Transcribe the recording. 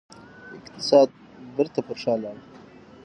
اقتصاد بیرته پر شا لاړ.